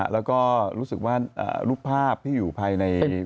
แล้วก็รู้สึกว่ารูปภาพที่อยู่ภายใน